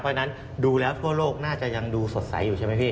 เพราะฉะนั้นดูแล้วทั่วโลกน่าจะยังดูสดใสอยู่ใช่ไหมพี่